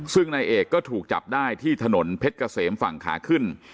ซึ่งนายเอกก็ถูกจับได้ที่ถนนเพชรเกษมฝั่งขาขึ้น